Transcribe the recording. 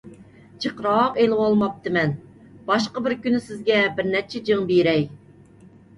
جىقراق ئېلىۋالماپتىمەن، باشقا بىر كۈنى سىزگە بىر نەچچە جىڭ بېرەي.